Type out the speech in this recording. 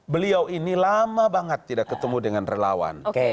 beliau ini lama banget tidak ketemu dengan relawan